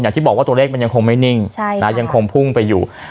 อย่างที่บอกว่าตัวเลขมันยังคงไม่นิ่งยังคงพุ่งไปอยู่